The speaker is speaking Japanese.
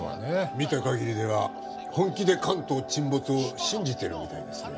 見た限りでは本気で関東沈没を信じてるみたいですね